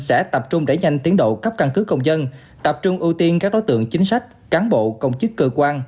sẽ tập trung đẩy nhanh tiến độ cấp căn cứ công dân tập trung ưu tiên các đối tượng chính sách cán bộ công chức cơ quan